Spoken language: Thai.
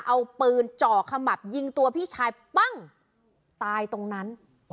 เอาปืนจ่อขมับยิงตัวพี่ชายปั้งตายตรงนั้น